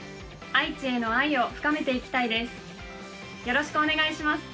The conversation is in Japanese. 愛知への愛を深めていきたいです。